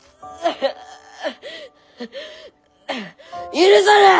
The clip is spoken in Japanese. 許さねえ！